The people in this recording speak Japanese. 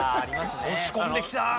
押し込んできた。